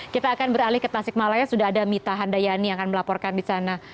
kita akan beralih ke tasik malaya sudah ada mita handayani yang akan melaporkan di sana